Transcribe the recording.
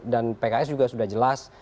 dan pks juga sudah jelas